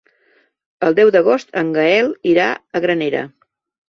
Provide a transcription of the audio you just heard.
El deu d'agost en Gaël irà a Granera.